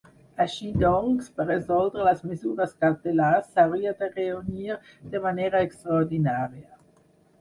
Així doncs, per resoldre les mesures cautelars s’hauria de reunir de manera extraordinària.